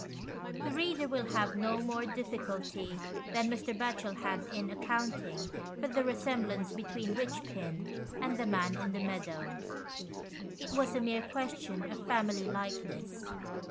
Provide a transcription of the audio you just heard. The reader will have no more difficulty than Mr. Batchel 66 THE EICHPINS. had in accounting for the resemblance between Eichpin and the man in the meadow. It was a mere question of family likeness.